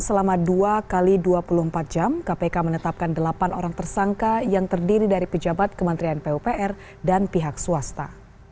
selama dua x dua puluh empat jam kpk menetapkan delapan orang tersangka yang terdiri dari pejabat kementerian pupr dan pihak swasta